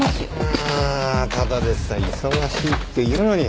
はぁただでさえ忙しいっていうのに。